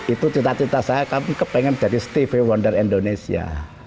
itu cita cita saya kami kepengen jadi steve wonder indonesia